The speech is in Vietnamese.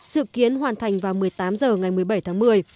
dự kiến hoàn thành vào một mươi tám h ngày một mươi bảy tháng một mươi